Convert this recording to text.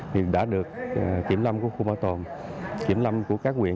thì đã được kiểm lâm của khu bảo tồn kiểm lâm của các quyền